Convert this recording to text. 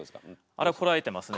あれはこらえてますね。